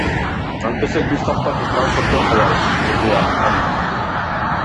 Антпесек биз таптакыр транспорт жок калабыз, — деди Атыканов.